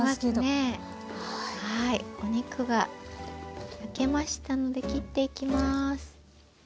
はいお肉が焼けましたので切っていきます。